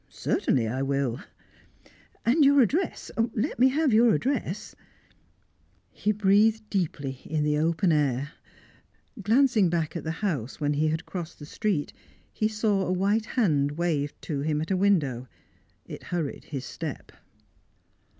"Certainly I will." "And your address let me have your address " He breathed deeply in the open air. Glancing back at the house when he had crossed the street, he saw a white hand waved to him at a window; it hurried his step.